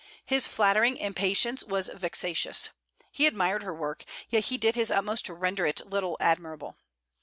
His flattering impatience was vexatious. He admired her work, yet he did his utmost to render it little admirable.